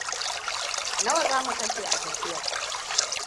Nawa za mu kashe a tafiyar?